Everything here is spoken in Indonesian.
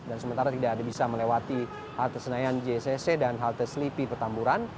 dan sementara tidak ada bisa melewati halte senayan jcc dan halte selipi petamburan